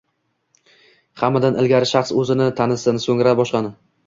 Hammadan ilgari shaxs o‘zini tanisin, so‘ngra boshqani!